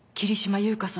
優香さん？